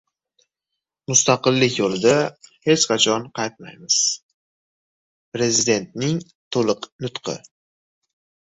Mustaqillik yo‘lidan hech qachon qaytmaymiz! Prezidentning to‘liq nutqi